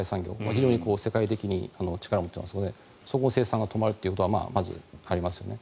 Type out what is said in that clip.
非常に世界的に力を持っていますのでそこの生産が止まるということがまずありますよね。